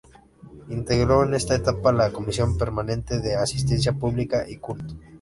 Integró en esta etapa la Comisión permanente de Asistencia Pública y Culto.